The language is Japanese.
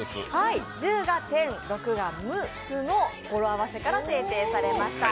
１０がてん、６がむすの語呂合わせから制定されました。